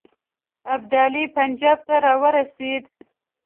ابدالي پنجاب ته را ورسېد.